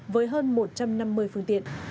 với hơn một trăm năm mươi phương tiện